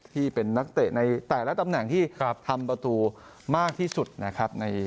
ที่เป็นนักเตะในแต่ละตำแหน่งที่ทำประตูมากที่สุดนะครับ